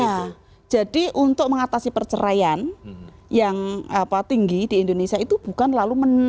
ya jadi untuk mengatasi perceraian yang tinggi di indonesia itu bukan lalu